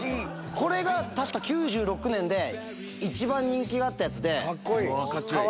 これが確か９６年で一番人気があったやつ。